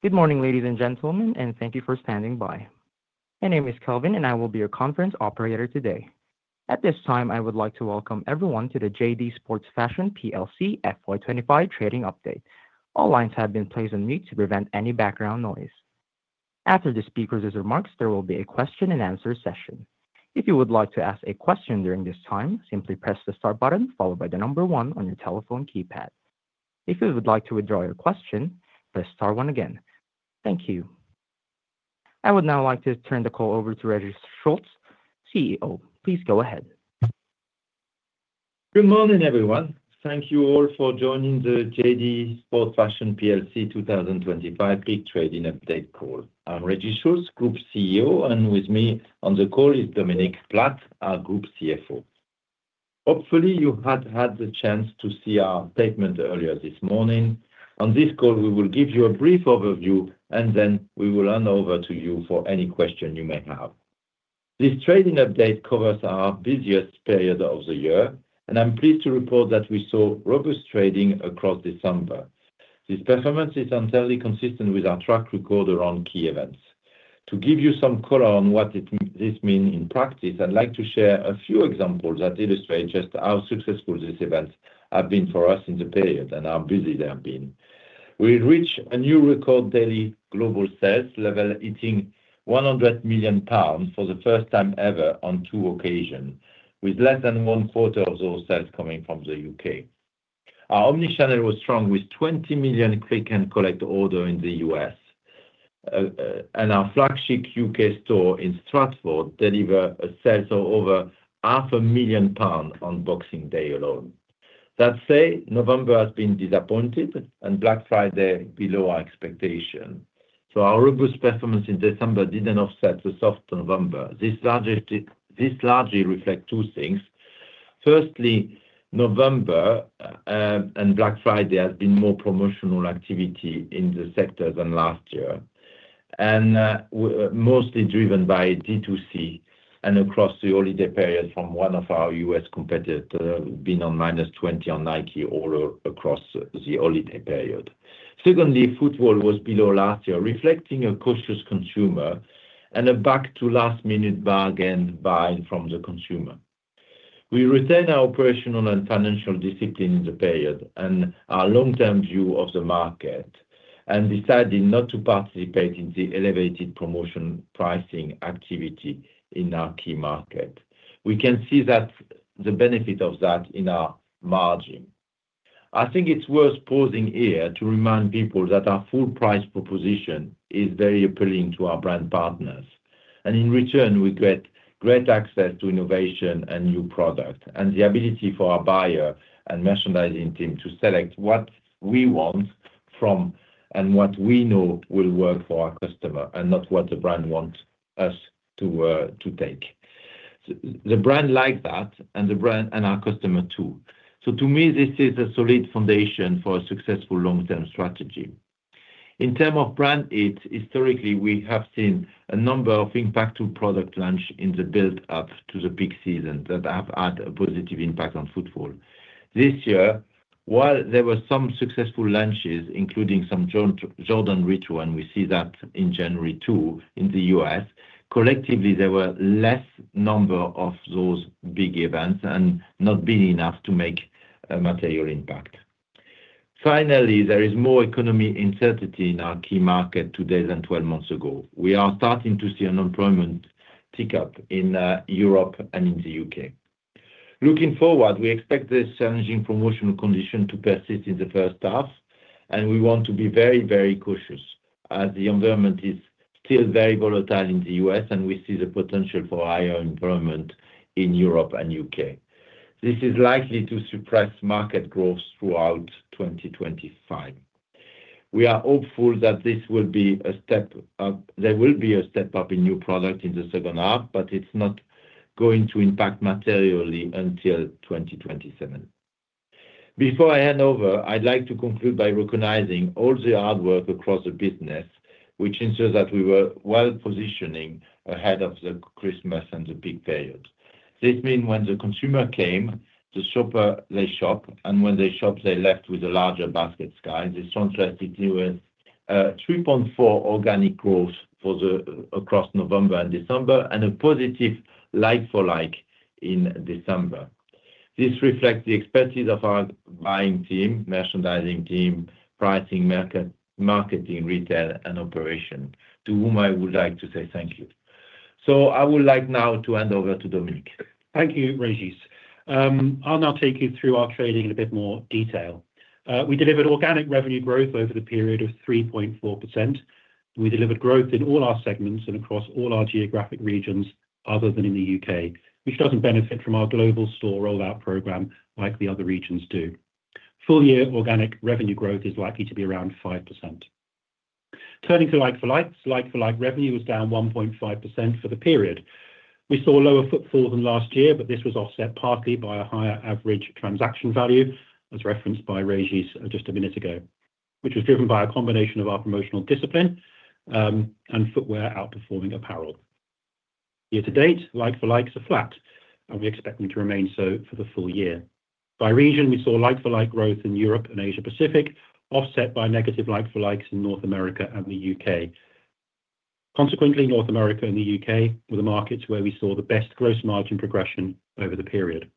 Good morning, ladies and gentlemen, and thank you for standing by. My name is Kelvin, and I will be your conference operator today. At this time, I would like to welcome everyone to the JD Sports Fashion PLC FY25 trading update. All lines have been placed on mute to prevent any background noise. After the speaker's remarks, there will be a question-and-answer session. If you would like to ask a question during this time, simply press the start button followed by the number one on your telephone keypad. If you would like to withdraw your question, press star one again. Thank you. I would now like to turn the call over to Régis Schultz, CEO. Please go ahead. Good morning, everyone. Thank you all for joining the JD Sports Fashion PLC 2025 peak trading update call. I'm Régis Schultz, Group CEO, and with me on the call is Dominic Platt, our Group CFO. Hopefully, you had had the chance to see our statement earlier this morning. On this call, we will give you a brief overview, and then we will hand over to you for any question you may have. This trading update covers our busiest period of the year, and I'm pleased to report that we saw robust trading across December. This performance is entirely consistent with our track record around key events. To give you some color on what this means in practice, I'd like to share a few examples that illustrate just how successful these events have been for us in the period and how busy they have been. We reached a new record daily global sales level hitting 100 million pounds for the first time ever on two occasions, with less than one quarter of those sales coming from the U.K. Our omnichannel was strong with 20 million click-and-collect orders in the U.S., and our flagship U.K. store in Stratford delivered sales of over 500,000 pounds on Boxing Day alone. That said, November has been disappointing, and Black Friday was below our expectations. So our robust performance in December didn't offset the soft November. This largely reflects two things. Firstly, November and Black Friday have seen more promotional activity in the sector than last year, and mostly driven by D2C and across the holiday period from one of our U.S. competitors being on -20% on Nike all across the holiday period. Secondly, football was below last year, reflecting a cautious consumer and a back to last-minute bargain buying from the consumer. We retained our operational and financial discipline in the period and our long-term view of the market, and decided not to participate in the elevated promotion pricing activity in our key market. We can see the benefit of that in our margin. I think it's worth pausing here to remind people that our full-price proposition is very appealing to our brand partners, and in return, we get great access to innovation and new products, and the ability for our buyer and merchandising team to select what we want from and what we know will work for our customer and not what the brand wants us to take. The brand likes that, and the brand and our customer too. So to me, this is a solid foundation for a successful long-term strategy. In terms of brand hits, historically, we have seen a number of impactful product launches in the build-up to the peak season that have had a positive impact on footfall. This year, while there were some successful launches, including some Jordan Retro, and we see that in January too in the U.S., collectively, there were a lesser number of those big events and not big enough to make a material impact. Finally, there is more economic uncertainty in our key market today than 12 months ago. We are starting to see unemployment tick up in Europe and in the U.K. Looking forward, we expect this challenging promotional condition to persist in the first half, and we want to be very, very cautious as the environment is still very volatile in the US, and we see the potential for higher unemployment in Europe and U.K. This is likely to suppress market growth throughout 2025. We are hopeful that this will be a step up. There will be a step up in new products in the second half, but it's not going to impact materially until 2027. Before I hand over, I'd like to conclude by recognizing all the hard work across the business, which ensures that we were well positioning ahead of Christmas and the peak period. This means when the consumer came, the shopper shopped, and when they shopped, they left with a larger basket size. This translates into a 3.4 organic growth across November and December and a positive like-for-like in December. This reflects the expertise of our buying team, merchandising team, pricing, marketing, retail, and operation, to whom I would like to say thank you. I would like now to hand over to Dominic. Thank you, Régis. I'll now take you through our trading in a bit more detail. We delivered organic revenue growth over the period of 3.4%. We delivered growth in all our segments and across all our geographic regions other than in the U.K., which doesn't benefit from our global store rollout program like the other regions do. Full-year organic revenue growth is likely to be around 5%. Turning to like-for-likes, like-for-like revenue was down 1.5% for the period. We saw lower footfall than last year, but this was offset partly by a higher average transaction value, as referenced by Régis just a minute ago, which was driven by a combination of our promotional discipline and footwear outperforming apparel. Year to date, like-for-likes are flat, and we expect them to remain so for the full year. By region, we saw like-for-like growth in Europe and Asia-Pacific, offset by negative like-for-likes in North America and the U.K. Consequently, North America and the U.K. were the markets where we saw the best gross margin progression over the period.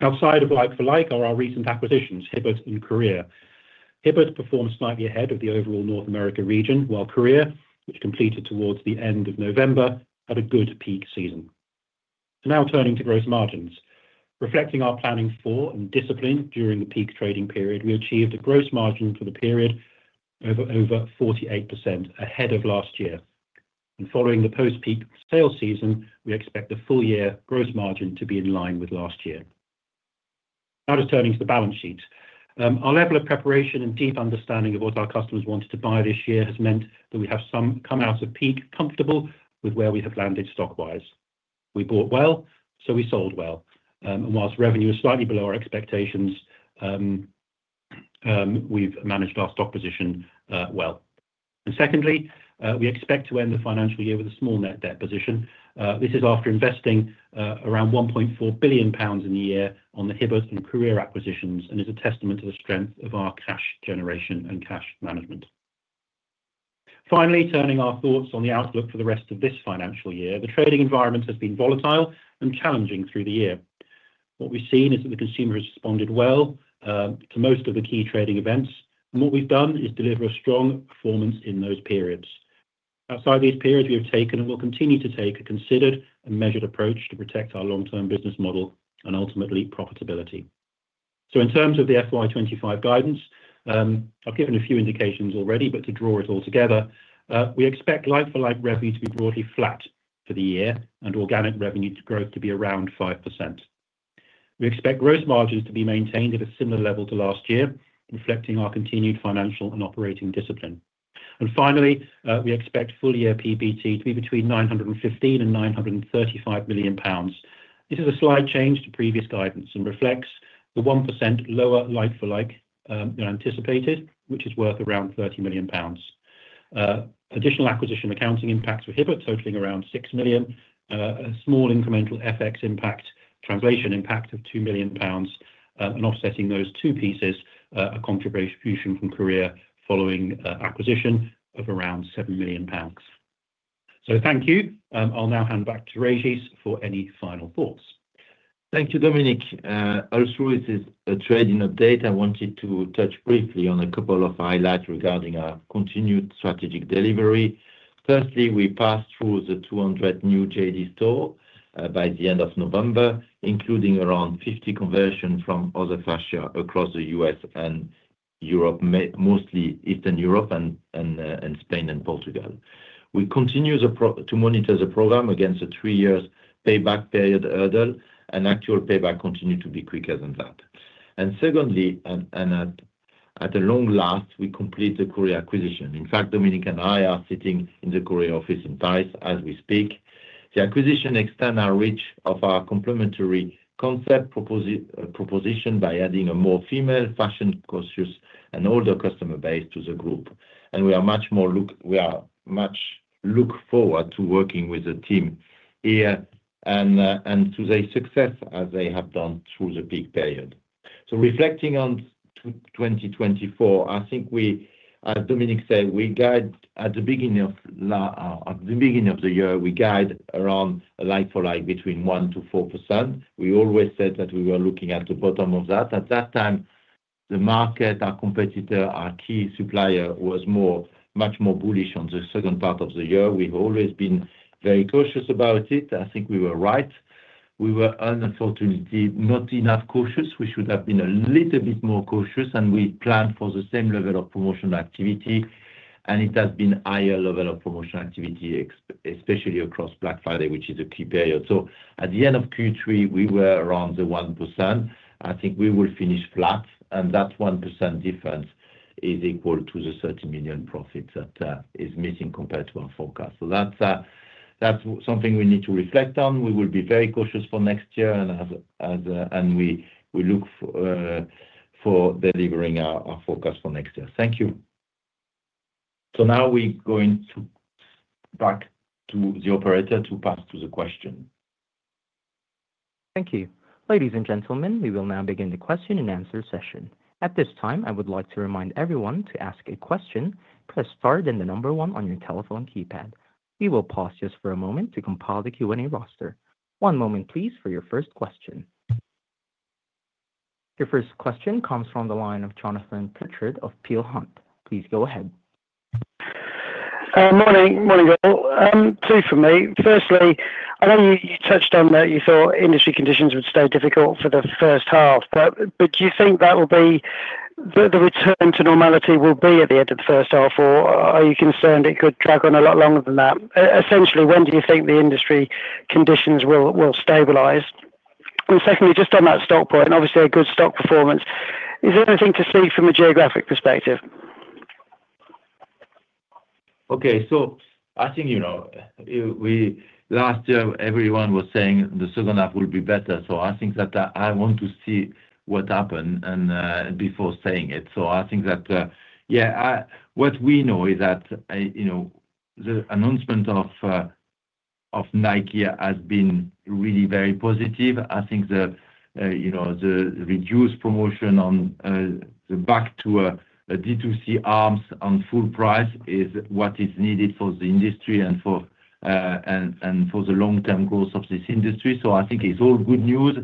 Outside of like-for-like are our recent acquisitions, Hibbett and Courir. Hibbett performed slightly ahead of the overall North America region, while Courir, which completed towards the end of November, had a good peak season. Now turning to gross margins. Reflecting our planning for and discipline during the peak trading period, we achieved a gross margin for the period of over 48% ahead of last year. And following the post-peak sales season, we expect the full-year gross margin to be in line with last year. Now just turning to the balance sheet. Our level of preparation and deep understanding of what our customers wanted to buy this year has meant that we have come out of peak comfortable with where we have landed stock-wise. We bought well, so we sold well. And whilst revenue is slightly below our expectations, we've managed our stock position well. And secondly, we expect to end the financial year with a small net debt position. This is after investing around 1.4 billion pounds in the year on the Hibbett and Courir acquisitions and is a testament to the strength of our cash generation and cash management. Finally, turning our thoughts on the outlook for the rest of this financial year, the trading environment has been volatile and challenging through the year. What we've seen is that the consumer has responded well to most of the key trading events, and what we've done is deliver a strong performance in those periods. Outside these periods, we have taken and will continue to take a considered and measured approach to protect our long-term business model and ultimately profitability. So in terms of the FY25 guidance, I've given a few indications already, but to draw it all together, we expect like-for-like revenue to be broadly flat for the year and organic revenue growth to be around 5%. We expect gross margins to be maintained at a similar level to last year, reflecting our continued financial and operating discipline. And finally, we expect full-year PBT to be between 915 million and 935 million pounds. This is a slight change to previous guidance and reflects the 1% lower like-for-like than anticipated, which is worth around 30 million pounds. Additional acquisition accounting impacts for Hibbett, totaling around 6 million, a small incremental FX impact, translation impact of 2 million pounds, and offsetting those two pieces, a contribution from Courir following acquisition of around 7 million pounds. So thank you. I'll now hand back to Regis for any final thoughts. Thank you, Dominic. Also, this is a trading update. I wanted to touch briefly on a couple of highlights regarding our continued strategic delivery. Firstly, we passed through the 200 new JD stores by the end of November, including around 50 conversions from other fashion across the U.S. and Europe, mostly Eastern Europe and Spain and Portugal. We continue to monitor the program against a three-year payback period hurdle, and actual payback continued to be quicker than that. And secondly, and at long last, we complete the Courir acquisition. In fact, Dominic and I are sitting in the Courir office in Paris as we speak. The acquisition extends our reach of our complementary concept proposition by adding a more female, fashion-conscious and older customer base to the group. And we are much more looking forward to working with the team here and to their success as they have done through the peak period, so reflecting on 2024, I think we, as Dominic said, guided at the beginning of the year around like-for-like between 1%-4%. We always said that we were looking at the bottom of that. At that time, the market, our competitor, our key supplier was much more bullish on the second part of the year. We've always been very cautious about it. I think we were right. We were, unfortunately, not enough cautious. We should have been a little bit more cautious, and we planned for the same level of promotional activity, and it has been a higher level of promotional activity, especially across Black Friday, which is a key period. So at the end of Q3, we were around the 1%. I think we will finish flat, and that 1% difference is equal to the 30 million profit that is missing compared to our forecast. So that's something we need to reflect on. We will be very cautious for next year, and we look for delivering our forecast for next year. Thank you. So now we're going to back to the operator to pass to the question. Thank you. Ladies and gentlemen, we will now begin the question and answer session. At this time, I would like to remind everyone to ask a question, press Start and the number one on your telephone keypad. We will pause just for a moment to compile the Q&A roster. One moment, please, for your first question. Your first question comes from the line of Jonathan Pritchard of Peel Hunt. Please go ahead. Morning, Morgan Gill. Two for me. Firstly, I know you touched on that you thought industry conditions would stay difficult for the first half, but do you think the return to normality will be at the end of the first half, or are you concerned it could drag on a lot longer than that? Essentially, when do you think the industry conditions will stabilize? And secondly, just on that stock point, obviously a good stock performance, is there anything to see from a geographic perspective? Okay, so I think last year everyone was saying the second half will be better. So I think that I want to see what happened before saying it. So I think that, yeah, what we know is that the announcement of Nike has been really very positive. I think the reduced promotion on the back of a D2C arms race on full price is what is needed for the industry and for the long-term growth of this industry. So I think it's all good news.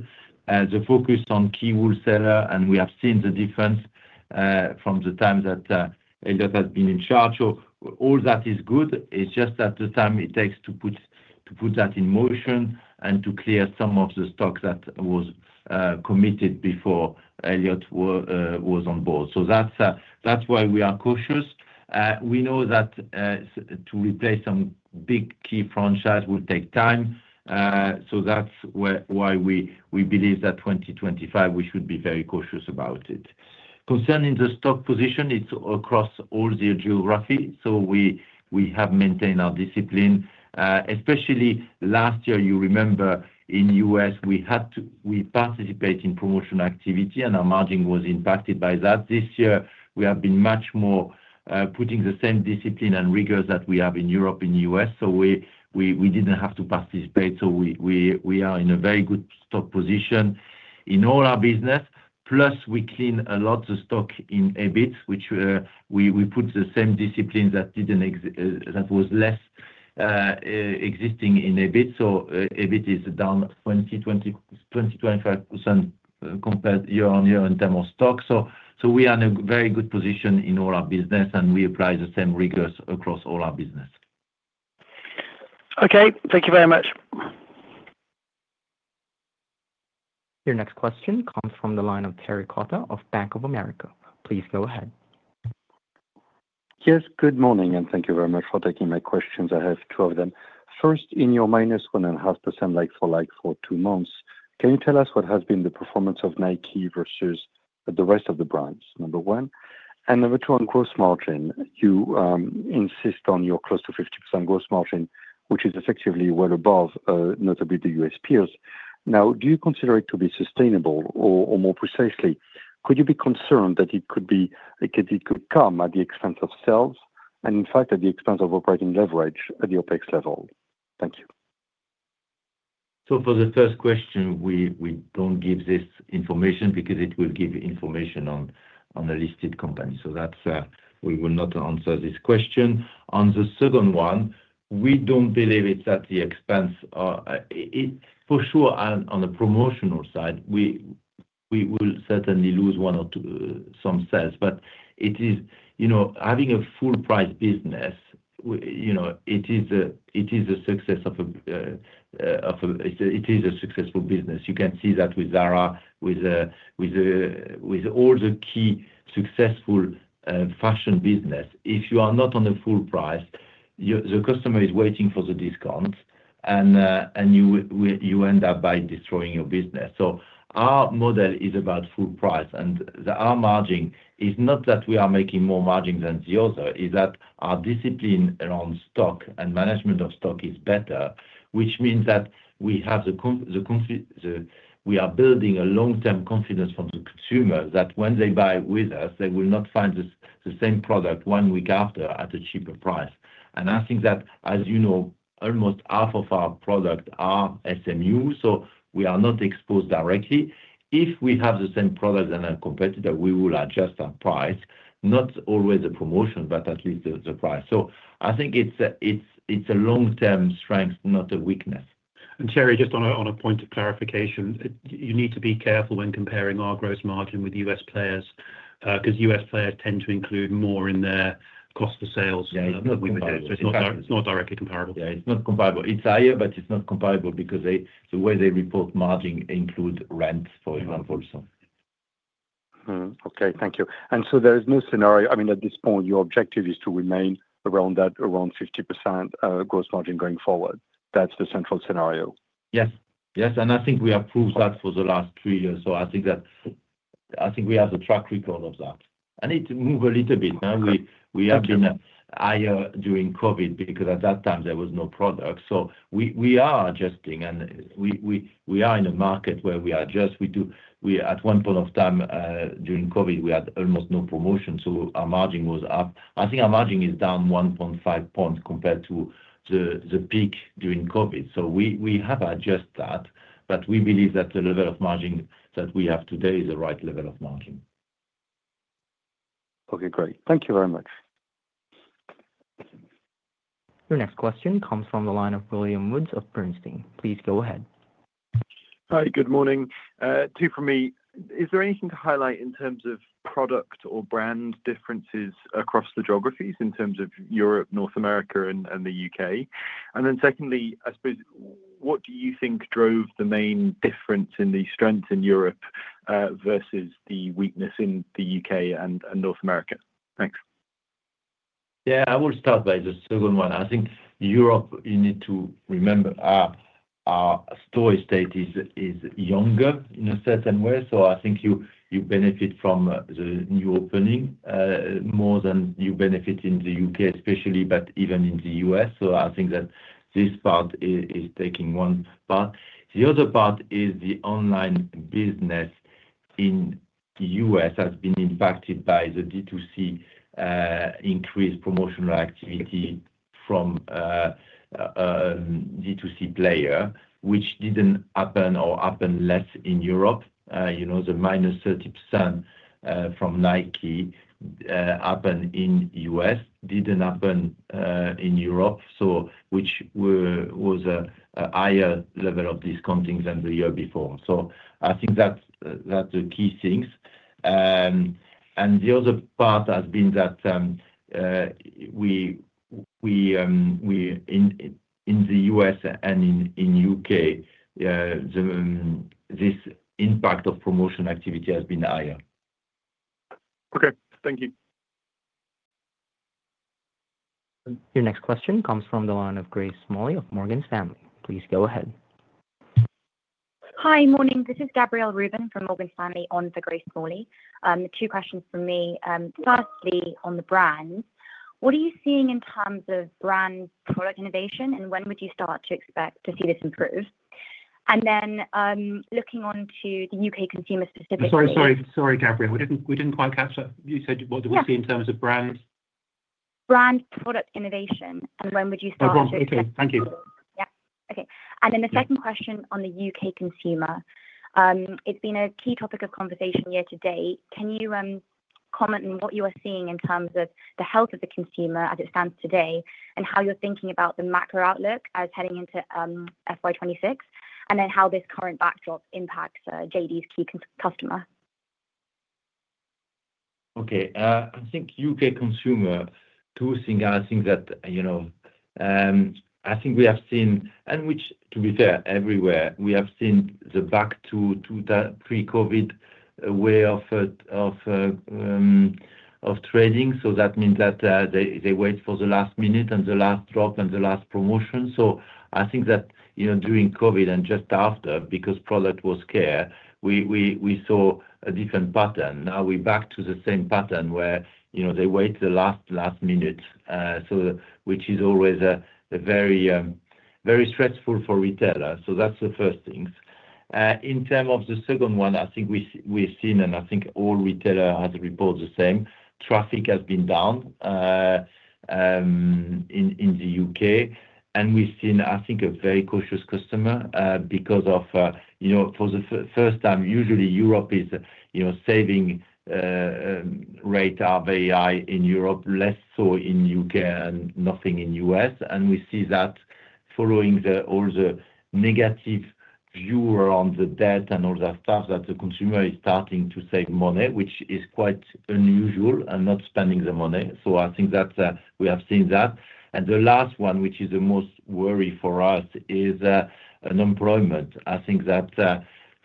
The focus on key wholesalers, and we have seen the difference from the time that Elliott has been in charge. So all that is good. It's just that the time it takes to put that in motion and to clear some of the stock that was committed before Elliott was on board. So that's why we are cautious. We know that to replace some big key franchise will take time. So that's why we believe that 2025, we should be very cautious about it. Concerning the stock position, it's across all the geography. So we have maintained our discipline, especially last year. You remember in the U.S., we participated in promotional activity, and our margin was impacted by that. This year, we have been much more putting the same discipline and rigors that we have in Europe and the U.S. So we didn't have to participate. So we are in a very good stock position in all our business. Plus, we cleaned a lot of stock in Iberia, which we put the same discipline that was less existing in Iberia. So Iberia is down 20% compared year-on-year in terms of stock. So we are in a very good position in all our business, and we apply the same rigors across all our business. Okay, thank you very much. Your next question comes from the line of Terry Coppetta of Bank of America. Please go ahead. Yes, good morning, and thank you very much for taking my questions. I have two of them. First, in your -1.5% like-for-like for two months, can you tell us what has been the performance of Nike versus the rest of the brands, number one? And number two, on gross margin, you insist on your close to 50% gross margin, which is effectively well above, notably the U.S. peers. Now, do you consider it to be sustainable, or more precisely, could you be concerned that it could come at the expense of sales and, in fact, at the expense of operating leverage at the OpEx level? Thank you. So for the first question, we don't give this information because it will give information on a listed company. So we will not answer this question. On the second one, we don't believe it's at the expense of, for sure, on the promotional side, we will certainly lose some sales. But having a full-price business, it is a success of a successful business. You can see that with Zara, with all the key successful fashion business. If you are not on the full price, the customer is waiting for the discount, and you end up by destroying your business. So our model is about full price, and our margin is not that we are making more margin than the other. It's that our discipline around stock and management of stock is better, which means that we are building a long-term confidence from the consumer that when they buy with us, they will not find the same product one week after at a cheaper price. And I think that, as you know, almost half of our product are SMU, so we are not exposed directly. If we have the same product than a competitor, we will adjust our price, not always the promotion, but at least the price. So I think it's a long-term strength, not a weakness. Terry, just on a point of clarification, you need to be careful when comparing our gross margin with U.S. players because U.S. players tend to include more in their cost of sales. Yeah, not directly. It's not directly comparable. Yeah, it's not comparable. It's higher, but it's not comparable because the way they report margin includes rent, for example, so. Okay, thank you. And so there is no scenario, I mean, at this point, your objective is to remain around that, around 50% gross margin going forward. That's the central scenario. Yes, yes. And I think we have proved that for the last three years. So I think we have the track record of that. And it moved a little bit. We have been higher during COVID because at that time, there was no product. So we are adjusting, and we are in a market where we are just, at one point of time during COVID, we had almost no promotion, so our margin was up. I think our margin is down 1.5 points compared to the peak during COVID. So we have adjusted that, but we believe that the level of margin that we have today is the right level of margin. Okay, great. Thank you very much. Your next question comes from the line of William Woods of Bernstein. Please go ahead. Hi, good morning. Two for me. Is there anything to highlight in terms of product or brand differences across the geographies in terms of Europe, North America, and the U.K.? And then secondly, I suppose, what do you think drove the main difference in the strength in Europe versus the weakness in the U.K. and North America? Thanks. Yeah, I will start by the second one. I think Europe, you need to remember our store estate is younger in a certain way. So I think you benefit from the new opening more than you benefit in the U.K., especially, but even in the U.S. So I think that this part is taking one part. The other part is the online business in the U.S. has been impacted by the D2C increased promotional activity from D2C player, which didn't happen or happened less in Europe. The -30% from Nike happened in the U.S, didn't happen in Europe, which was a higher level of discounting than the year before. So I think that's the key things. And the other part has been that in the U.S. and in the U.K., this impact of promotion activity has been higher. Okay, thank you. Your next question comes from the line of Grace Smalley of Morgan Stanley. Please go ahead. Hi, morning. This is Gabrielle Rubin from Morgan Stanley, on for Grace Smalley. Two questions for me. Firstly, on the brand, what are you seeing in terms of brand product innovation, and when would you start to expect to see this improve? And then looking on to the UK consumer specifically. Sorry, sorry, sorry, Gabrielle. We didn't quite catch that. You said what did we see in terms of brand? Brand product innovation, and when would you start to see? Okay, thank you. Yeah, okay. And then the second question on the U.K. consumer, it's been a key topic of conversation year to date. Can you comment on what you are seeing in terms of the health of the consumer as it stands today and how you're thinking about the macro outlook as heading into FY26, and then how this current backdrop impacts JD's key customer? Okay, I think U.K. consumer, two things. I think that we have seen, and which, to be fair, everywhere, we have seen the back to pre-COVID way of trading. So that means that they wait for the last minute and the last drop and the last promotion. So I think that during COVID and just after, because product was scarce, we saw a different pattern. Now we're back to the same pattern where they wait the last minute, which is always very stressful for retailers. So that's the first thing. In terms of the second one, I think we've seen, and I think all retailers have reported the same, traffic has been down in the U.K. And we've seen, I think, a very cautious customer because for the first time, usually Europe is saving rate are very high in Europe, less so in the U.K and nothing in the U.S. And we see that following all the negative view around the debt and all that stuff that the consumer is starting to save money, which is quite unusual and not spending the money. So I think that we have seen that. And the last one, which is the most worry for us, is unemployment. I think that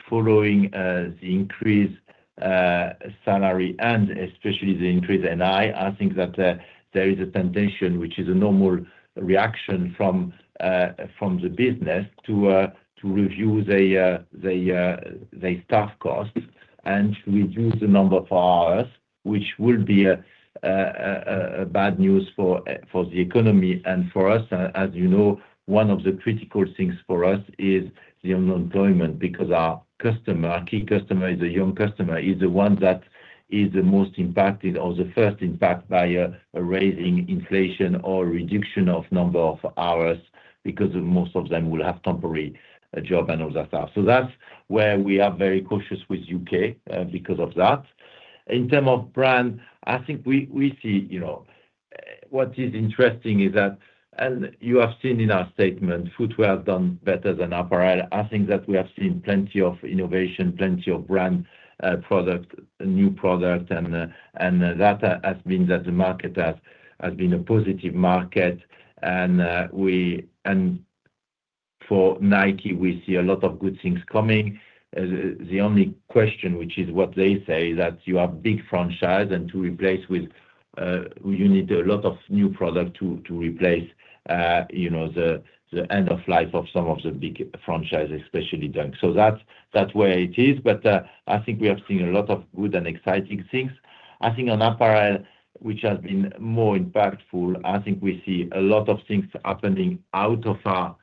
following the increased salary and especially the increased NI, I think that there is a temptation, which is a normal reaction from the business, to review their staff costs and reduce the number of hours, which will be bad news for the economy and for us. As you know, one of the critical things for us is the unemployment because our key customer is a young customer, is the one that is the most impacted or the first impacted by rising inflation or reduction of number of hours because most of them will have temporary jobs and all that stuff. So that's where we are very cautious with the U.K. because of that. In terms of brands, I think we see what is interesting is that, and you have seen in our statement, footwear has done better than apparel. I think that we have seen plenty of innovation, plenty of branded products, new products, and that has been that the market has been a positive market, and for Nike, we see a lot of good things coming. The only question, which is what they say, is that you have big franchise and to replace with you need a lot of new product to replace the end of life of some of the big franchise, especially Dunk. So that's where it is. But I think we have seen a lot of good and exciting things. I think on apparel, which has been more impactful, I think we see a lot of things happening out of our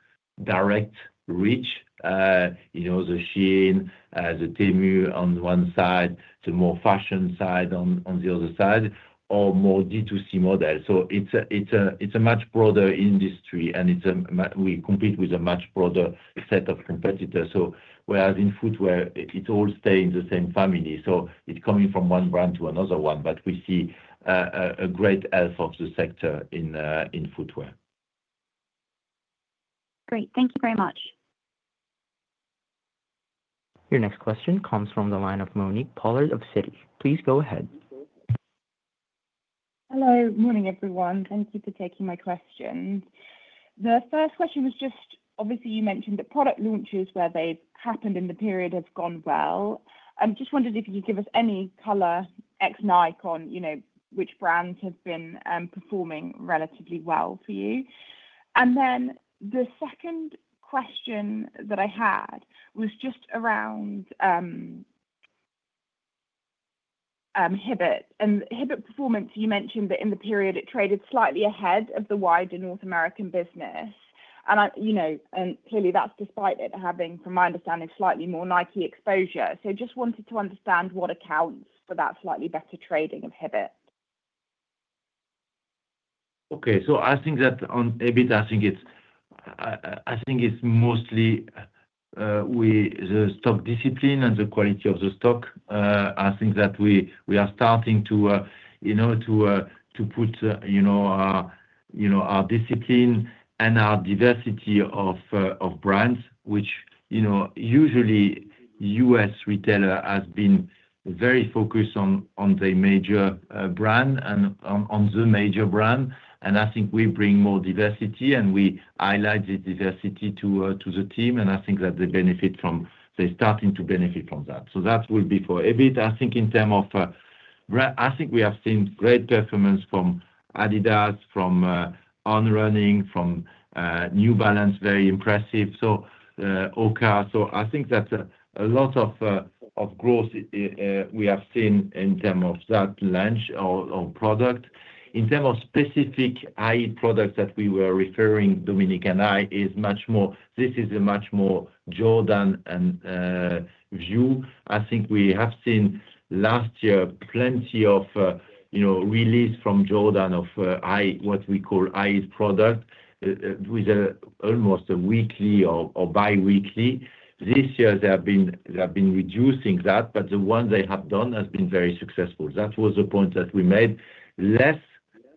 direct reach, the Shein, the Temu on one side, the more fashion side on the other side, or more D2C model. So it's a much broader industry, and we compete with a much broader set of competitors. So whereas in footwear, it all stays in the same family. So it's coming from one brand to another one, but we see a great health of the sector in footwear. Great. Thank you very much. Your next question comes from the line of Monique Pollard of Citi. Please go ahead. Good morning, everyone. Thank you for taking my question. The first question was just, obviously, you mentioned that product launches where they've happened in the period have gone well. I just wondered if you could give us any color, X, and Y on which brands have been performing relatively well for you. And then the second question that I had was just around Hibbett. And Hibbett performance, you mentioned that in the period, it traded slightly ahead of the wider North American business. And clearly, that's despite it having, from my understanding, slightly more Nike exposure. So just wanted to understand what accounts for that slightly better trading of Hibbett. Okay, so I think that on Hibbett, I think it's mostly the stock discipline and the quality of the stock. I think that we are starting to put our discipline and our diversity of brands, which usually US retailer has been very focused on the major brand and on the major brand. And I think we bring more diversity, and we highlight the diversity to the team. And I think that they benefit from they're starting to benefit from that. So that will be for Hibbett. I think in terms of I think we have seen great performance from Adidas, from On Running, from New Balance, very impressive. So Hoka. So I think that a lot of growth we have seen in terms of that launch of product. In terms of specific high products that we were referring, Dominic and I, it's much more. This is a much more Jordan view. I think we have seen last year plenty of release from Jordan of what we call high product with almost a weekly or biweekly. This year, they have been reducing that, but the one they have done has been very successful. That was the point that we made, less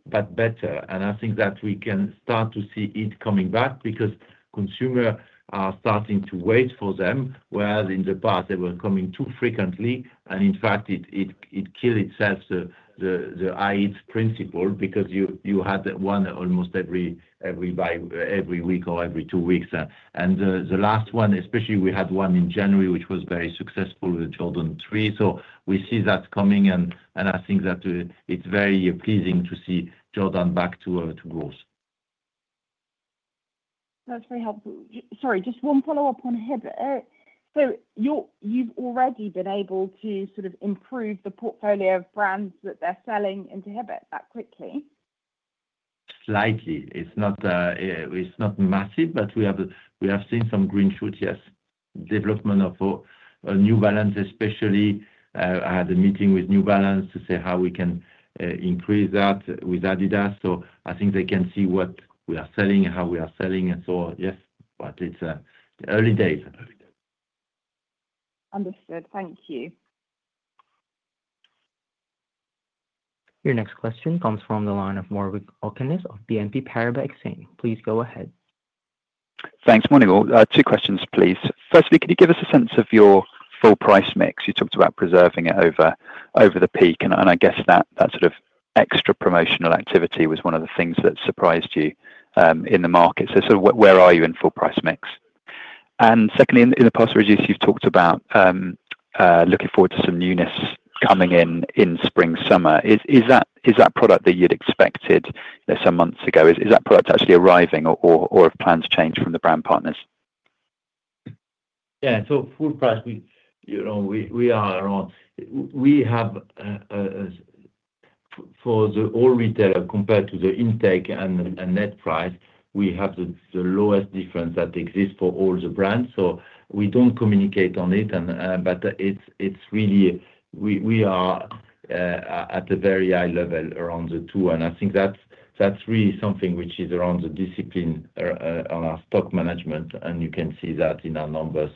but better, and I think that we can start to see it coming back because consumers are starting to wait for them, whereas in the past, they were coming too frequently, and in fact, it killed itself, the high principle, because you had one almost every week or every two weeks, and the last one, especially, we had one in January, which was very successful with Jordan 3. So we see that coming, and I think that it's very pleasing to see Jordan back to growth. That's very helpful. Sorry, just one follow-up on Hibbett. So you've already been able to sort of improve the portfolio of brands that they're selling into Hibbett that quickly? Slightly. It's not massive, but we have seen some green shoots, yes. Development of New Balance, especially. I had a meeting with New Balance to say how we can increase that with Adidas. So I think they can see what we are selling, how we are selling. And so yes, but it's early days. Understood. Thank you. Your next question comes from the line of Morgan Morganis of BNP Paribas Exane. Please go ahead. Thanks, Monique. Two questions, please. Firstly, could you give us a sense of your full price mix? You talked about preserving it over the peak, and I guess that sort of extra promotional activity was one of the things that surprised you in the market. So sort of where are you in full price mix? And secondly, in the past, Régis, you've talked about looking forward to some newness coming in spring summer. Is that product that you'd expected some months ago? Is that product actually arriving or have plans changed from the brand partners? Yeah, so full price, we are around. We have for all retailers compared to the intake and net price, we have the lowest difference that exists for all the brands. So we don't communicate on it, but it's really we are at a very high level around the two. And I think that's really something which is around the discipline on our stock management, and you can see that in our numbers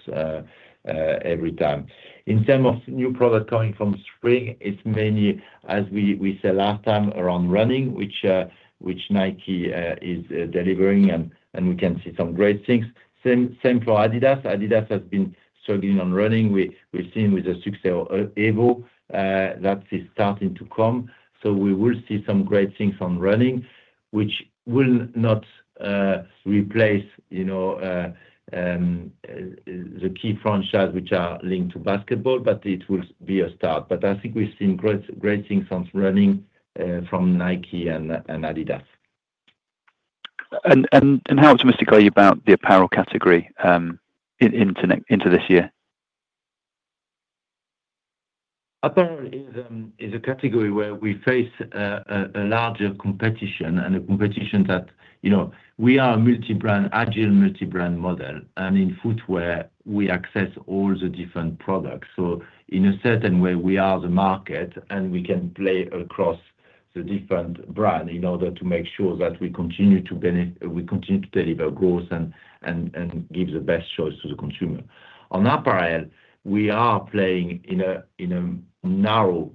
every time. In terms of new product coming from spring, it's mainly, as we said last time, around running, which Nike is delivering, and we can see some great things. Same for Adidas. Adidas has been struggling on running. We've seen with the success of Evo. That is starting to come. So we will see some great things on running, which will not replace the key franchise which are linked to basketball, but it will be a start. But I think we've seen great things on running from Nike and Adidas. How optimistic are you about the apparel category into this year? Apparel is a category where we face a larger competition and a competition that we are a multi-brand, agile multi-brand model. And in footwear, we access all the different products. So in a certain way, we are the market, and we can play across the different brands in order to make sure that we continue to deliver growth and give the best choice to the consumer. On apparel, we are playing in a narrow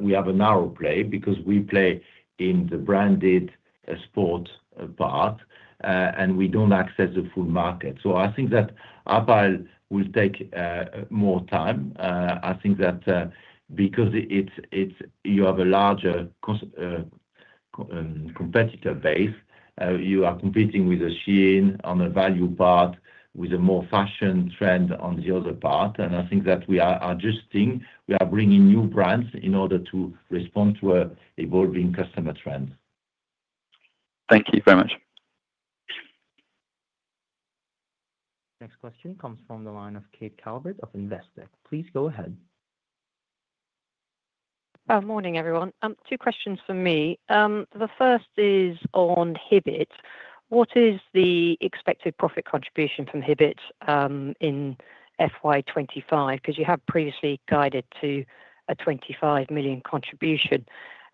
we have a narrow play because we play in the branded sport part, and we don't access the full market. So I think that apparel will take more time. I think that because you have a larger competitor base, you are competing with Shein on the value part with a more fashion trend on the other part. And I think that we are adjusting. We are bringing new brands in order to respond to evolving customer trends. Thank you very much. Next question comes from the line of Kate Calvert of Investec. Please go ahead. Morning, everyone. Two questions for me. The first is on Hibbett. What is the expected profit contribution from Hibbett in FY25? Because you have previously guided to a 25 million contribution.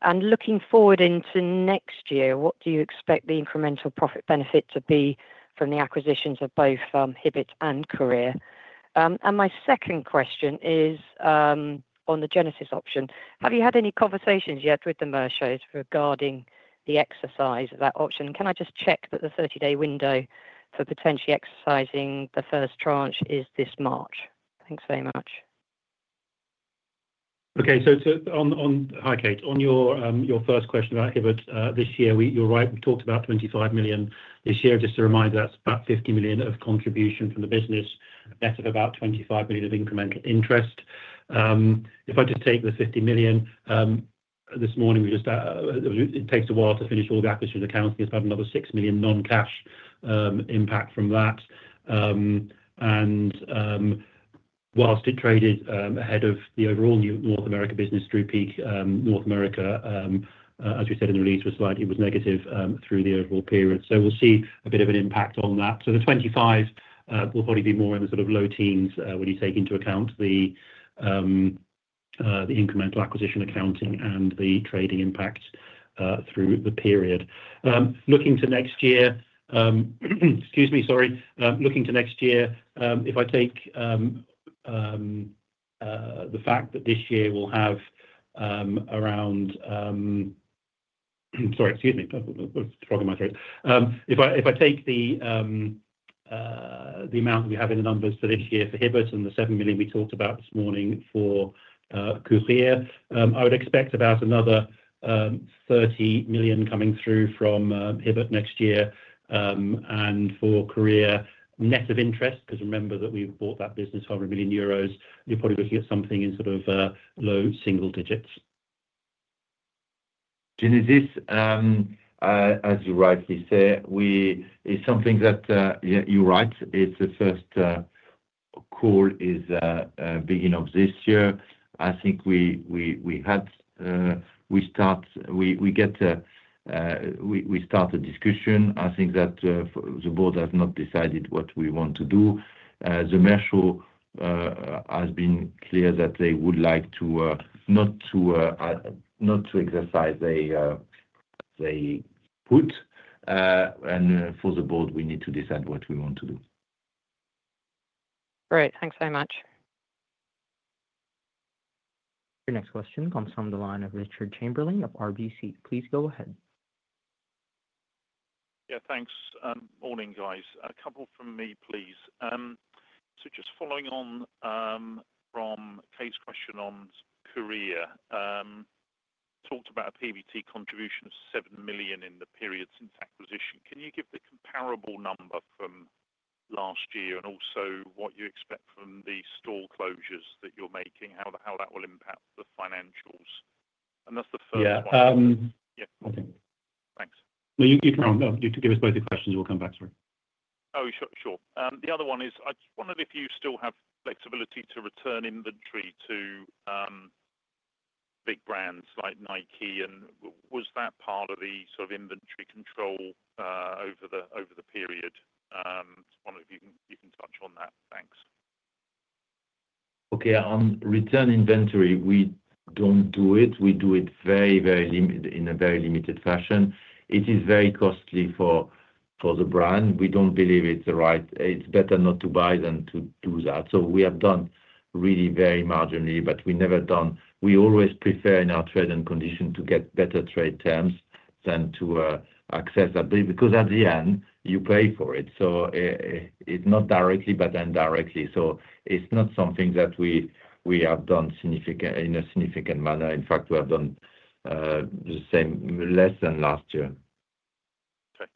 And looking forward into next year, what do you expect the incremental profit benefit to be from the acquisitions of both Hibbett and Courir? And my second question is on the Genesis option. Have you had any conversations yet with the merchants regarding the exercise of that option? And can I just check that the 30-day window for potentially exercising the first tranche is this March? Thanks very much. Okay. Hi, Kate. On your first question about Hibbett this year, you're right. We talked about 25 million this year. Just a reminder, that's about 50 million of contribution from the business, net of about 25 million of incremental interest. If I just take the 50 million this morning, it takes a while to finish all the acquisitions. Accounting has had another 6 million non-cash impact from that. And while it traded ahead of the overall North America business through peak, North America, as we said in the release, it was negative through the overall period. We'll see a bit of an impact on that. The 25 million will probably be more in the sort of low teens when you take into account the incremental acquisition accounting and the trading impact through the period. Looking to next year, excuse me, sorry. Looking to next year, if I take the amount we have in the numbers for this year for Hibbett and the 7 million we talked about this morning for Courir, I would expect about another 30 million coming through from Hibbett next year. And for Courir, net of interest, because remember that we've bought that business for 100 million euros, you're probably looking at something in sort of low single digits. Genesis, as you rightly say, it's something that you write. It's the first call at the beginning of this year. I think we started a discussion. I think that the board has not decided what we want to do. The management has been clear that they would like to not exercise their put. And for the board, we need to decide what we want to do. Great. Thanks very much. Your next question comes from the line of Richard Chamberlain of RBC. Please go ahead. Yeah, thanks. Morning, guys. A couple from me, please. So just following on from Kate's question on Courir, talked about a PBT contribution of 7 million in the period since acquisition. Can you give the comparable number from last year and also what you expect from the store closures that you're making, how that will impact the financials? And that's the first one. Yeah. Okay. Thanks. No, you can give us both the questions. We'll come back to it. Oh, sure. The other one is I just wondered if you still have flexibility to return inventory to big brands like Nike. And was that part of the sort of inventory control over the period? Just wondered if you can touch on that. Thanks. Okay. On return inventory, we don't do it. We do it in a very limited fashion. It is very costly for the brand. We don't believe it's the right. It's better not to buy than to do that. So we have done very marginally, but we never done. We always prefer in our trade and condition to get better trade terms than to access that because at the end, you pay for it. So it's not directly, but indirectly. So it's not something that we have done in a significant manner. In fact, we have done the same less than last year. Okay.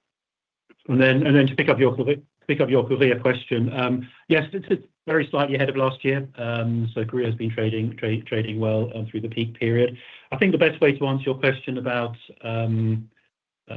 And then to pick up your Courir question, yes, it's very slightly ahead of last year. So Courir has been trading well through the peak period. I think the best way to answer your question about the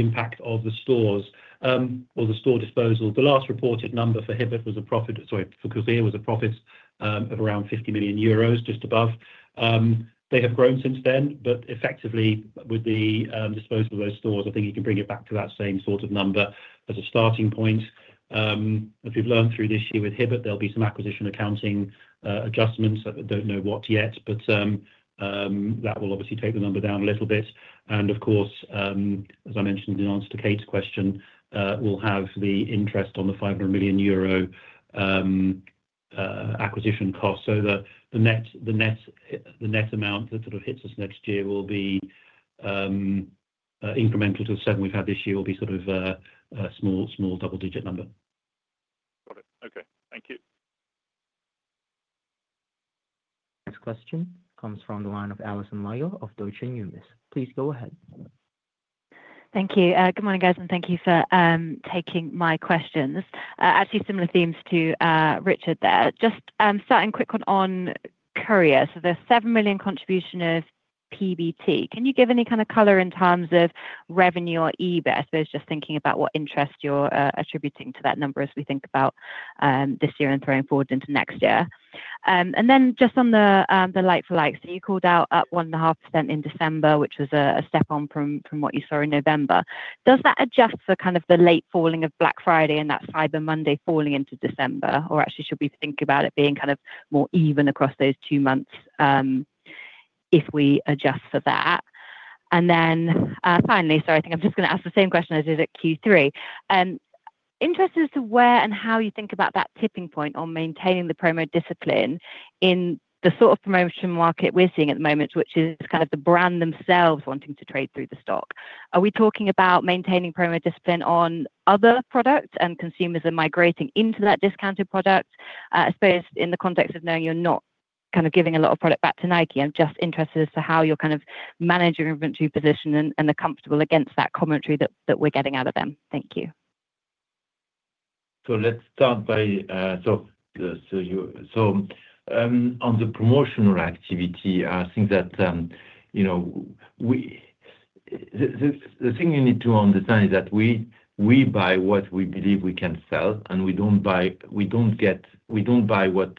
impact of the stores or the store disposal, the last reported number for Hibbett was a profit sorry, for Courir was a profit of around 50 million euros, just above. They have grown since then, but effectively, with the disposal of those stores, I think you can bring it back to that same sort of number as a starting point. If you've learned through this year with Hibbett, there'll be some acquisition accounting adjustments. I don't know what yet, but that will obviously take the number down a little bit. And of course, as I mentioned in answer to Kate's question, we'll have the interest on the 500 million euro acquisition cost. So the net amount that sort of hits us next year will be incremental to the seven we've had this year, will be sort of a small double-digit number. Got it. Okay. Thank you. Next question comes from the line of Alison Layo of Deutsche Numis. Please go ahead. Thank you. Good morning, guys, and thank you for taking my questions. Actually, similar themes to Richard there. Just starting quick on Courir. So the 7 million contribution of PBT, can you give any kind of color in terms of revenue or EBIT? I suppose just thinking about what interest you're attributing to that number as we think about this year and going forward into next year. And then just on the like-for-like, so you called out up 1.5% in December, which was a step on from what you saw in November. Does that adjust for kind of the late falling of Black Friday and that Cyber Monday falling into December? Or actually, should we think about it being kind of more even across those two months if we adjust for that? And then finally, sorry, I think I'm just going to ask the same question as I did at Q3. Interested as to where and how you think about that tipping point on maintaining the promo discipline in the sort of promotion market we're seeing at the moment, which is kind of the brand themselves wanting to trade through the stock. Are we talking about maintaining promo discipline on other products and consumers migrating into that discounted product? I suppose in the context of knowing you're not kind of giving a lot of product back to Nike, I'm just interested as to how you're kind of managing your inventory position and are comfortable against that commentary that we're getting out of them. Thank you. So let's start on the promotional activity. I think that the thing you need to understand is that we buy what we believe we can sell, and we don't buy what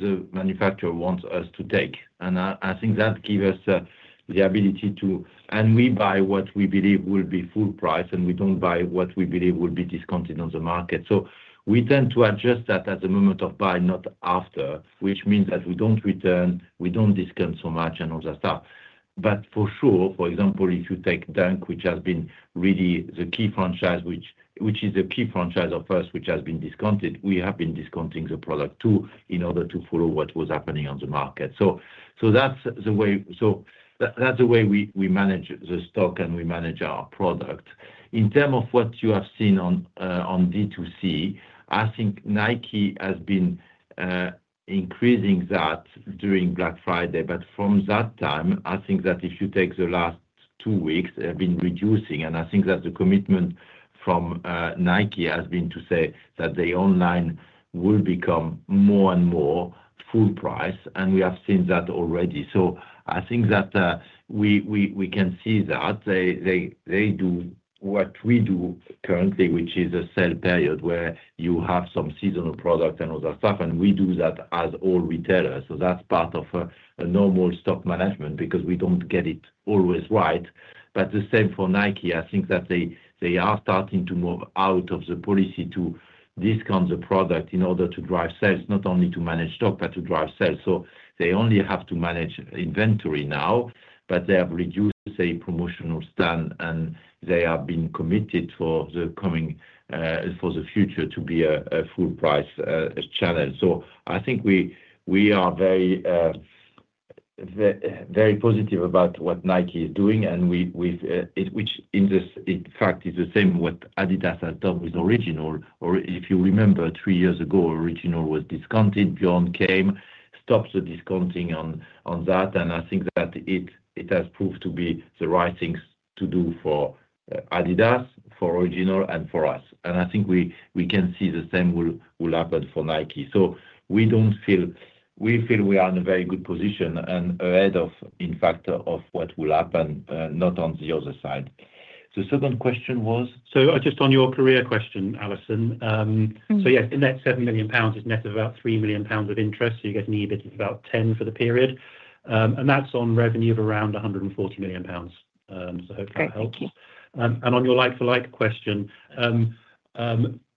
the manufacturer wants us to take. And I think that gives us the ability to, and we buy what we believe will be full price, and we don't buy what we believe will be discounted on the market. So we tend to adjust that at the moment of buy, not after, which means that we don't return, we don't discount so much, and all that stuff. But for sure, for example, if you take Dunk, which has been really the key franchise for us, which has been discounted, we have been discounting the product too in order to follow what was happening on the market. So that's the way we manage the stock and we manage our product. In terms of what you have seen on D2C, I think Nike has been increasing that during Black Friday. But from that time, I think that if you take the last two weeks, they have been reducing. And I think that the commitment from Nike has been to say that their online will become more and more full price, and we have seen that already. So I think that we can see that they do what we do currently, which is a sale period where you have some seasonal product and all that stuff, and we do that as all retailers. So that's part of a normal stock management because we don't get it always right. But the same for Nike. I think that they are starting to move out of the policy to discount the product in order to drive sales, not only to manage stock, but to drive sales. So they only have to manage inventory now, but they have reduced their promotional spend, and they have been committed for the coming future to be a full-price challenge. So I think we are very positive about what Nike is doing, and which in fact is the same what Adidas has done with Originals. Or if you remember, three years ago, Originals was discounted. Björn came and stopped the discounting on that. And I think that it has proved to be the right thing to do for Adidas, for Originals, and for us. And I think we can see the same will happen for Nike. So we feel we are in a very good position and ahead of, in fact, of what will happen, not on the other side. The second question was? So just on your Courir question, Alison. So yes, the net 7 million pounds is net of about 3 million pounds of interest. So you're getting EBIT of about 10 for the period. And that's on revenue of around 140 million pounds. So hopefully that helps. And on your like-for-like question,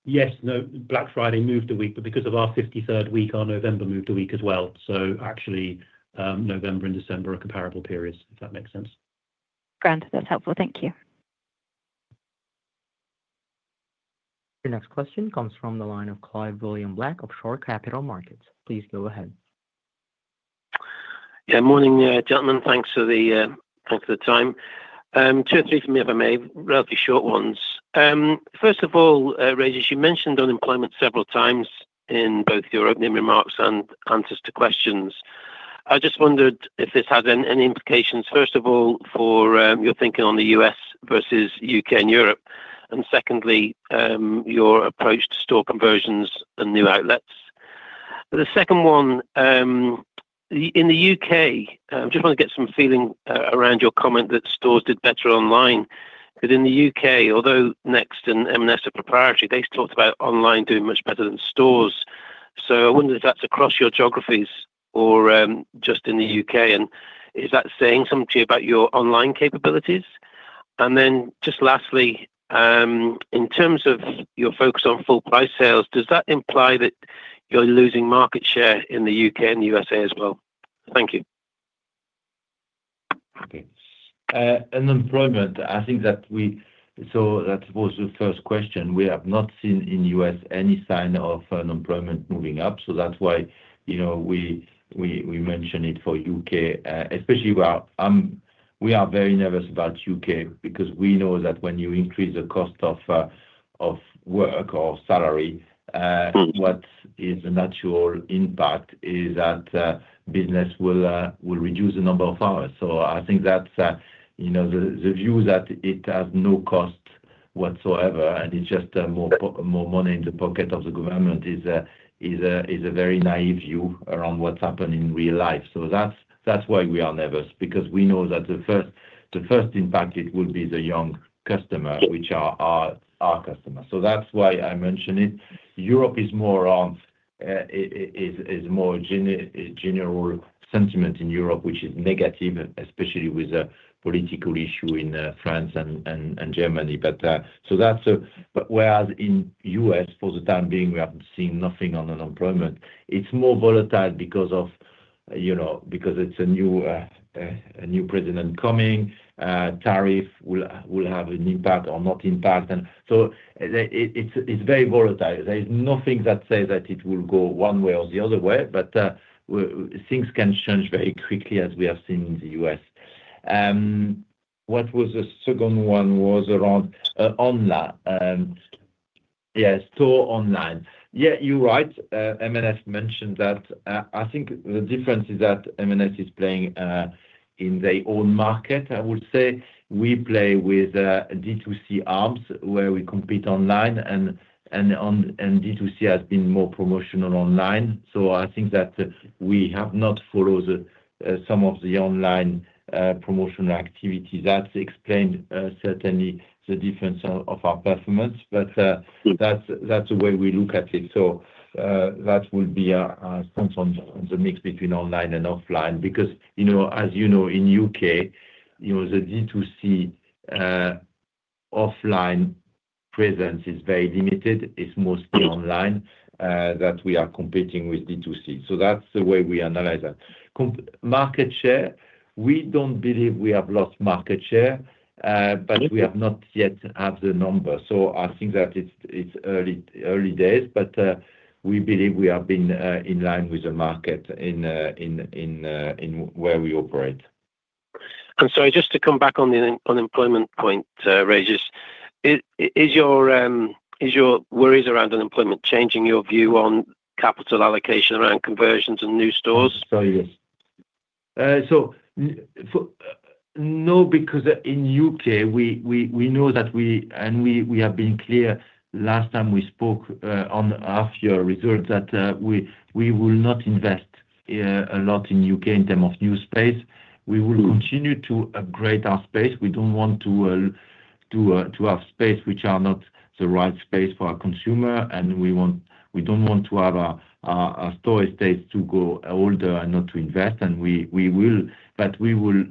yes, no, Black Friday moved a week, but because of our 53rd week, our November moved a week as well. So actually, November and December are comparable periods, if that makes sense. Grand. That's helpful. Thank you. Your next question comes from the line of Clive William Black of Shore Capital Markets. Please go ahead. Yeah. Morning, gentlemen. Thanks for the time. Two or three from me, if I may, relatively short ones. First of all, Régis as you mentioned unemployment several times in both your opening remarks and answers to questions. I just wondered if this had any implications, first of all, for your thinking on the U.S. versus U.K. and Europe. And secondly, your approach to store conversions and new outlets. The second one, in the U.K., I just want to get some feeling around your comment that stores did better online. But in the U.K., although Next and M&S are proprietary, they talked about online doing much better than stores. So I wondered if that's across your geographies or just in the U.K. And is that saying something to you about your online capabilities? And then just lastly, in terms of your focus on full price sales, does that imply that you're losing market share in the U.K. and the USA as well? Thank you. Okay. Unemployment, I think that was the first question. We have not seen in the U.S. any sign of unemployment moving up. So that's why we mention it for U.K., especially where we are very nervous about U.K. because we know that when you increase the cost of work or salary, what is the natural impact is that business will reduce the number of hours. So I think that's the view that it has no cost whatsoever, and it's just more money in the pocket of the government is a very naive view around what's happening in real life. So that's why we are nervous because we know that the first impact, it will be the young customers, which are our customers. So that's why I mention it. Europe is more around general sentiment in Europe, which is negative, especially with a political issue in France and Germany. But so that's whereas in the U.S., for the time being, we haven't seen nothing on unemployment. It's more volatile because it's a new president coming. Tariff will have an impact or not impact. And so it's very volatile. There is nothing that says that it will go one way or the other way, but things can change very quickly, as we have seen in the U.S. What was the second one was around online. Yeah, store online. Yeah, you're right. M&S mentioned that. I think the difference is that M&S is playing in their own market, I would say. We play with D2C arms where we compete online, and D2C has been more promotional online. So I think that we have not followed some of the online promotional activities. That explains certainly the difference of our performance, but that's the way we look at it. So that will be a sense of the mix between online and offline because, as you know, in the U.K., the D2C offline presence is very limited. It's mostly online that we are competing with D2C. So that's the way we analyze that. Market share, we don't believe we have lost market share, but we have not yet had the number. So I think that it's early days, but we believe we have been in line with the market in where we operate. Sorry, just to come back on the unemployment point, Ray, just is your worries around unemployment changing your view on capital allocation around conversions and new stores? Sorry, yes. So no, because in the U.K., we know that we and we have been clear last time we spoke on after your results that we will not invest a lot in the U.K. in terms of new space. We will continue to upgrade our space. We don't want to have space which are not the right space for our consumer, and we don't want to have our store estates to go older and not to invest. And we will, but we will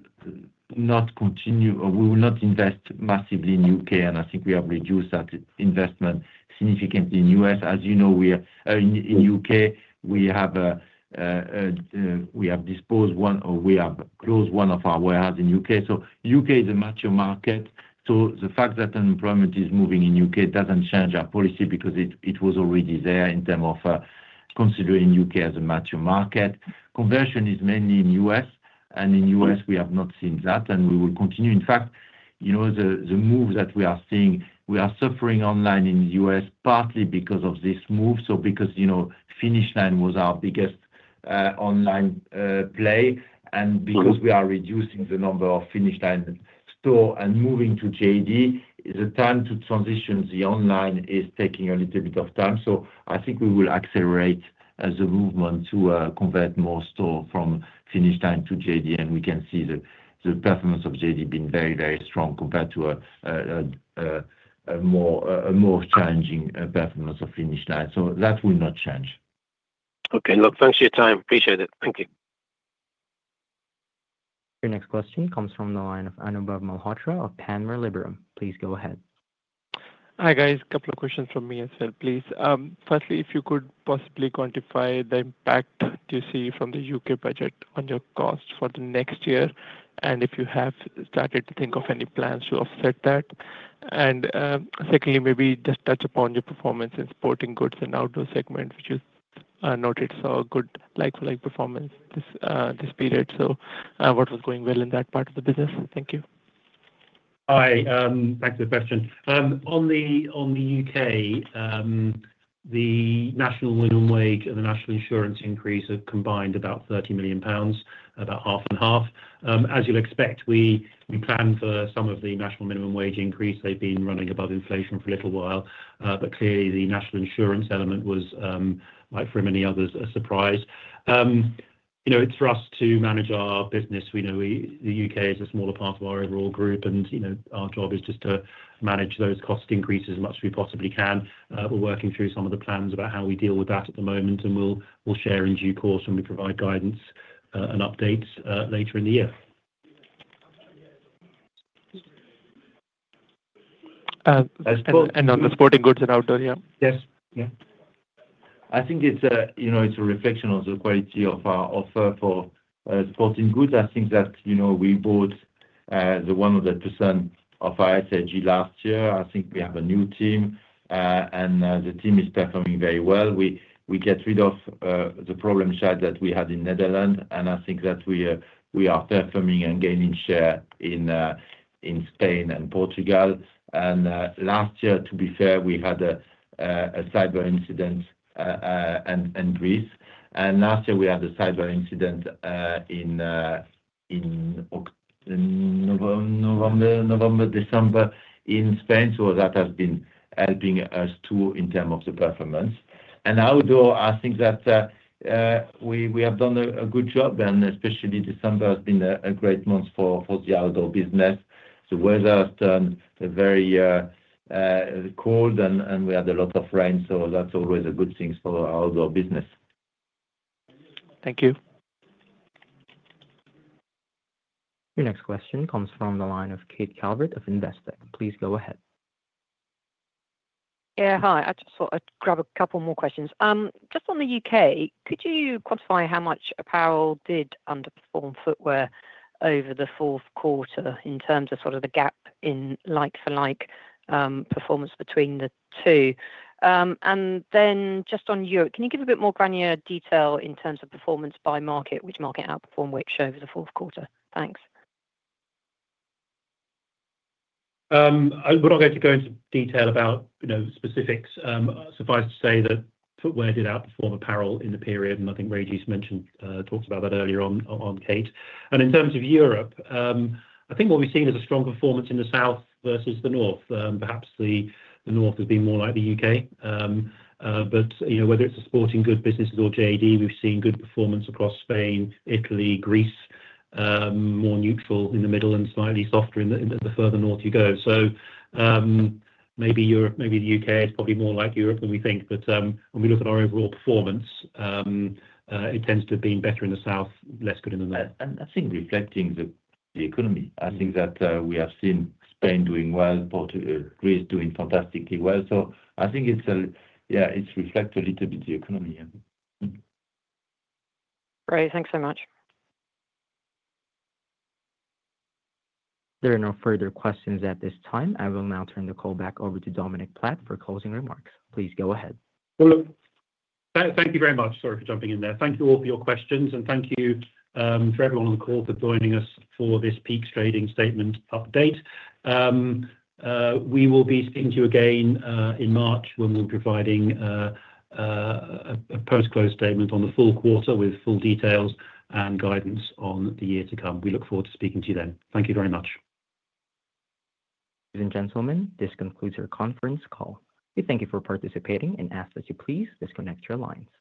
not continue or we will not invest massively in the U.K. And I think we have reduced that investment significantly in the U.S. As you know, in the U.K., we have disposed one or we have closed one of our warehouses in the U.K. So the U.K. is a mature market. So the fact that unemployment is moving in the U.K. doesn't change our policy because it was already there in terms of considering the U.K. as a mature market. Conversion is mainly in the U.S. And in the U.S., we have not seen that, and we will continue. In fact, the move that we are seeing, we are suffering online in the U.S. partly because of this move. So because Finish Line was our biggest online play and because we are reducing the number of Finish Line store and moving to JD, the time to transition the online is taking a little bit of time. So I think we will accelerate the movement to convert more store from Finish Line to JD, and we can see the performance of JD being very, very strong compared to a more challenging performance of Finish Line. So that will not change. Okay. Look, thanks for your time. Appreciate it. Thank you. Your next question comes from the line of Anubhav Malhotra of Panmure Liberum. Please go ahead. Hi guys. Couple of questions from me as well, please. Firstly, if you could possibly quantify the impact you see from the U.K. budget on your cost for the next year and if you have started to think of any plans to offset that, and secondly, maybe just touch upon your performance in sporting goods and outdoor segment, which you noted saw good like-for-like performance this period, so what was going well in that part of the business? Thank you. Hi. Back to the question. On the U.K., the national minimum wage and the national insurance increase have combined about 30 million pounds, about half and half. As you'll expect, we planned for some of the national minimum wage increase. They've been running above inflation for a little while, but clearly, the national insurance element was, like for many others, a surprise. It's for us to manage our business. We know the U.K. is a smaller part of our overall group, and our job is just to manage those cost increases as much as we possibly can. We're working through some of the plans about how we deal with that at the moment, and we'll share in due course when we provide guidance and updates later in the year. And on the sporting goods and outdoor, yeah? Yes. Yeah. I think it's a reflection on the quality of our offer for sporting goods. I think that we bought 100% of our ISRG last year. I think we have a new team, and the team is performing very well. We got rid of the market share problem that we had in the Netherlands, and I think that we are performing and gaining share in Spain and Portugal, and last year, to be fair, we had a cyber incident in Greece. And last year, we had a cyber incident in November, December in Spain. So that has been helping us too in terms of the performance, and outdoor, I think that we have done a good job, and especially December has been a great month for the outdoor business. The weather has turned very cold, and we had a lot of rain. So that's always a good thing for our outdoor business. Thank you. Your next question comes from the line of Kate Calvert of Investec. Please go ahead. Yeah. Hi. I just thought I'd grab a couple more questions. Just on the UK, could you quantify how much Apparel did underperform Footwear over the fourth quarter in terms of sort of the gap in like-for-like performance between the two? And then just on Europe, can you give a bit more granular detail in terms of performance by market, which market outperformed which over the fourth quarter? Thanks. We're not going to go into detail about specifics. Suffice to say that Footwear did outperform Apparel in the period, and I think, you mentioned about that earlier on, Kate. And in terms of Europe, I think what we've seen is a strong performance in the south versus the north. Perhaps the north has been more like the U.K. But whether it's the sporting goods businesses or JD, we've seen good performance across Spain, Italy, Greece, more neutral in the middle and slightly softer in the further north you go. So maybe the U.K. is probably more like Europe than we think. But when we look at our overall performance, it tends to have been better in the south, less good in the north. And I think reflecting the economy. I think that we have seen Spain doing well, Greece doing fantastically well. So I think, yeah, it's reflected a little bit the economy. Great. Thanks so much. There are no further questions at this time. I will now turn the call back over to Dominic Platt for closing remarks. Please go ahead. Thank you very much. Sorry for jumping in there. Thank you all for your questions, and thank you for everyone on the call for joining us for this pre-close trading statement update. We will be speaking to you again in March when we'll be providing a post-close statement on the full quarter with full details and guidance on the year to come. We look forward to speaking to you then. Thank you very much. Ladies and gentlemen, this concludes our conference call. We thank you for participating and ask that you please disconnect your lines.